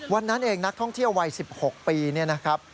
วันนั้นเองนักท่องเที่ยววัย๑๖ปีเนี่ยนะครับ